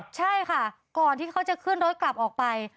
ใช่ค่ะก่อนที่เขาจะขึ้นรถกลับออกไป